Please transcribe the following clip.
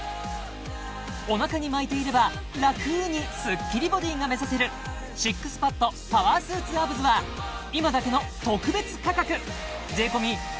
お腹に巻いていれば楽にスッキリボディが目指せるＳＩＸＰＡＤパワースーツアブズは今だけの特別価格！